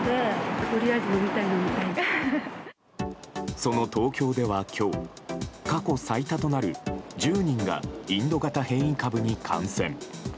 その東京では今日過去最多となる１０人がインド型変異株に感染。